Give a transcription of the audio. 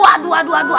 aduh aduh aduh